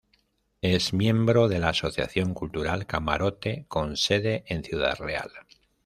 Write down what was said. Es miembro de la Asociación Cultural Camarote con sede en Ciudad Real.